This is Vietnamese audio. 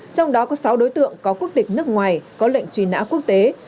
trong đó có sáu đối tượng có quốc tịch nước ngoài có lệnh truy nã quốc tế